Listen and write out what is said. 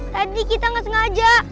tadi kita gak sengaja